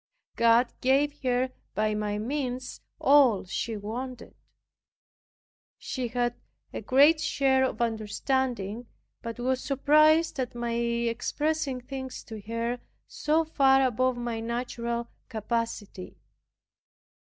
God gave her by my means all she wanted. She had a great share of understanding, but was surprised at my expressing things to her so far above my natural capacity.